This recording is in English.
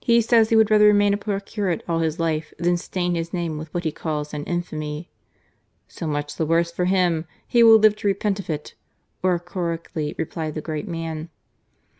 "£L ZURRIAGOr 27 says he would rather remain a poor curate all his life than stain his name with what he calls *an infamy !'"" So much the worse for him. He will live to repent of it !" oracularly replied the great man.